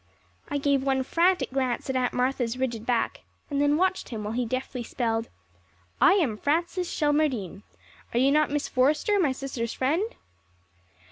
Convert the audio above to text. I gave one frantic glance at Aunt Martha's rigid back, and then watched him while he deftly spelled: "I am Francis Shelmardine. Are you not Miss Forrester, my sister's friend?"